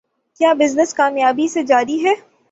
کا بزنس کامیابی سے جاری ہے